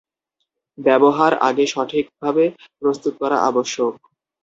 ব্যবহার আগে সঠিকভাবে প্রস্তুত করা আবশ্যক।